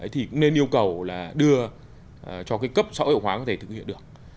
thì cũng nên yêu cầu là đưa cho cái cấp xã hội hóa có thể thực hiện được